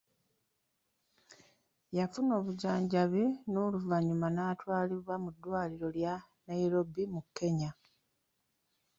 Yafuna obujjanjabi n'oluvannyuma n'atwalibwa mu ddwaliro lya Nairobi mu Kenya.